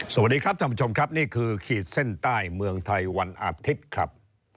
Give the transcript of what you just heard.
สวัสดีครับท่านผู้ชมครับนี่คือขีดเส้นใต้เมืองไทยวันอาทิตย์ครับ